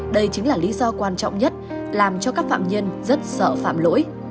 đây chính là lý do quan trọng nhất làm cho các phạm nhân rất sợ phạm lỗi